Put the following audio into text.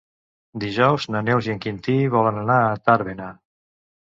Dijous na Neus i en Quintí volen anar a Tàrbena.